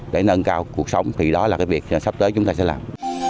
để nâng cao cuộc sống thì đó là cái việc sắp tới chúng ta sẽ làm